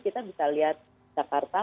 kita bisa lihat jakarta